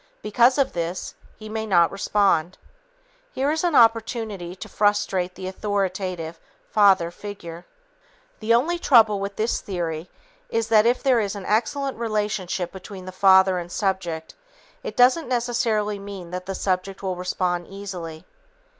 Because of this, he may not respond. Here is an opportunity to frustrate the authoritative (father) figure. The only trouble with this theory is that if there is an excellent relationship between the father and subject, it doesn't necessarily mean that the subject will respond easily.